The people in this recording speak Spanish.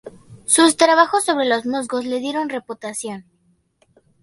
Sus trabajos sobre los musgos le dieron reputación.